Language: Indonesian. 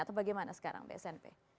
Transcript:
atau bagaimana sekarang bsnp